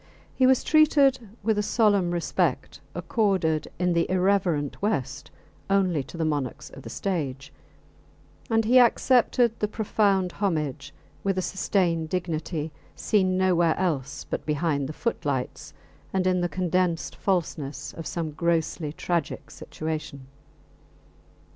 He was treated with a solemn respect accorded in the irreverent West only to the monarchs of the stage, and he accepted the profound homage with a sustained dignity seen nowhere else but behind the footlights and in the condensed falseness of some grossly tragic situation.